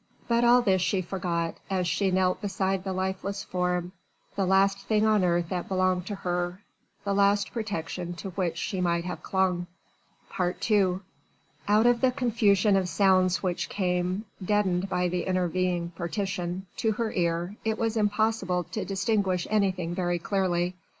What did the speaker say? But all this she forgot, as she knelt beside the lifeless form the last thing on earth that belonged to her the last protection to which she might have clung. II Out of the confusion of sounds which came deadened by the intervening partition to her ear, it was impossible to distinguish anything very clearly.